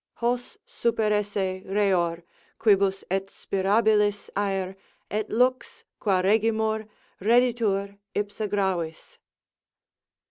. Hos superesse reor, quibus et spirabilis aer Et lux, qua regimur, redditur ipsa gravis."